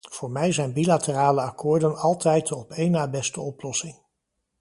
Voor mij zijn bilaterale akkoorden altijd de op een na beste oplossing.